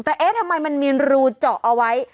แต่เอ๊ะทำไมมันมีรูเจาะเอาไว้